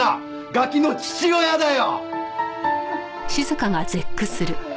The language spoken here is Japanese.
ガキの父親だよ！